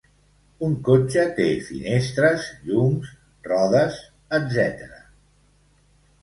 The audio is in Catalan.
Un cotxe té finestres, llums, rodes, etc.